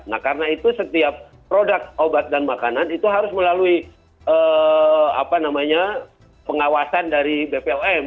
nah karena itu setiap produk obat dan makanan itu harus melalui pengawasan dari bpom